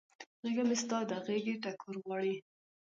غیږه مې ستا د غیږ ټکور غواړي